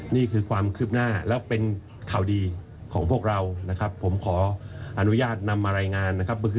นี่คือความคืบหน้าแล้วเป็นข่าวดีของพวกเรานะครับผมขออนุญาตนำมารายงานนะครับ